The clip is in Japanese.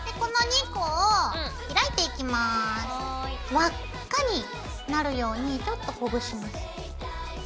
輪っかになるようにちょっとほぐします。